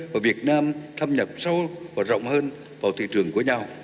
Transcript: và việt nam thâm nhập sâu và rộng hơn vào thị trường của nhau